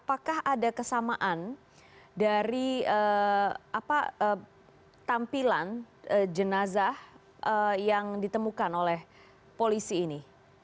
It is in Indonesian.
apakah ada kesamaan dari tampilan jenazah yang ditemukan oleh polisi ini